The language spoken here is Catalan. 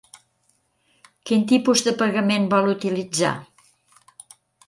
Quin tipus de pagament vol utilitzar?